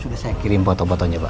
sudah saya kirim foto foto nya pak